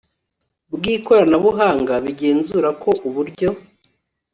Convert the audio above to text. bw ikoranabuhanga bigenzura ko uburyo